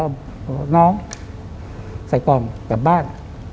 บอกน้องใส่กล่องกลับบ้าน